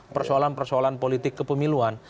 persoalan persoalan politik kepemiluan